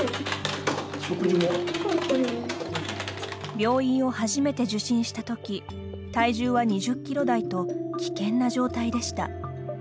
病院を初めて受診した時体重は２０キロ台と危険な状態でした。